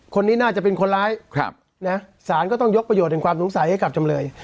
คนนี้น่าจะเป็นคนร้ายสารก็ต้องยกประโยชน์แห่งความสงสัยให้กับจำเลย